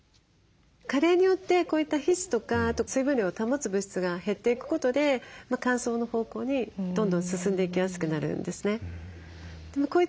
加齢によってこういった皮脂とかあと水分量を保つ物質が減っていくことで乾燥の方向にどんどん進んでいきやすくなるんですね。